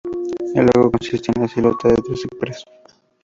El logo consistía en la silueta de tres cipreses.